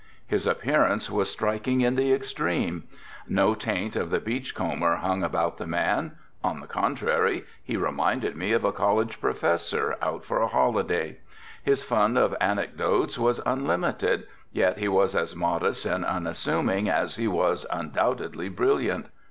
His appearance was striking in the extreme. No taint of the beach comber hung about the man. On the contrary, he reminded me of a College professor out for a holiday. His fund of anecdotes was unlimited, yet he was as modest and unassuming as he was undoubtedly brilliant.